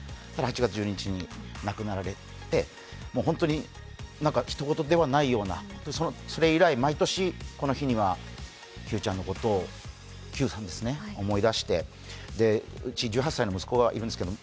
８月１２日に亡くなられて、本当にひと事ではないような、それ以来、毎年この日には久さんのことを思い出して、うち１８歳の息子がいるんですけど